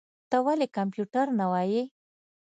ته ولي کمپيوټر نه وايې؟